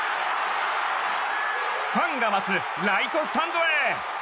ファンが待つライトスタンドへ！